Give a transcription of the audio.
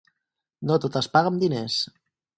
No tot es paga amb diners.